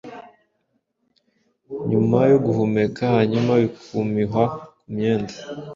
Nyuma yo guhumeka hanyuma bikumihwa kumyenda